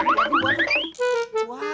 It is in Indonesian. nih liat nih gua aja